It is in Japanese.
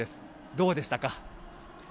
どうでしたか。